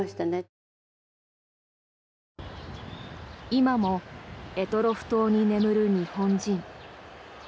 今も択捉島に眠る日本人。